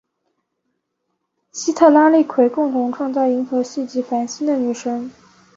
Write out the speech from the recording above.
西特拉利奎共同创造银河系及繁星的女神。